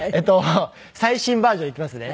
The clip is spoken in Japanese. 最新バージョンいきますね。